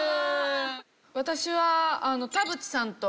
私は。